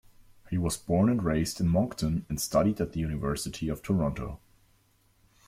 He was born and raised in Moncton, and studied at the University of Toronto.